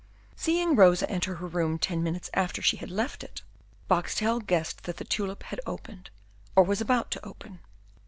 Seeing Rosa enter her room ten minutes after she had left it, Boxtel guessed that the tulip had opened, or was about to open.